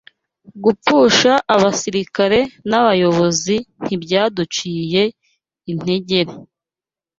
Gupfusha abasirikare n’abayobozi ntibyaduciye integer